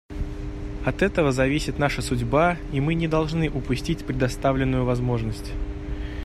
От этого зависит наша судьба, и мы не должны упустить предоставленную возможность.